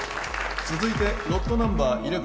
続いてロットナンバー１１